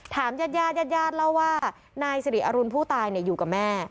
ญาติญาติเล่าว่านายสิริอรุณผู้ตายอยู่กับแม่